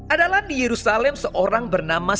adalah di yerusalem seorang bernama